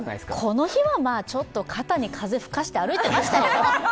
この日はまあちょっと肩に風吹かして歩いてましたよ。